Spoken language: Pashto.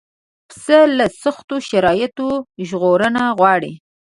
پسه له سختو شرایطو ژغورنه غواړي.